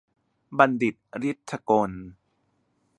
บัณฑิต ฤทธิ์ถกล